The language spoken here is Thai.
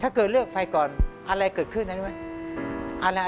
ถ้าเกิดเลือกไฟก่อนอะไรจะเกิดขึ้นแล้วน่ะ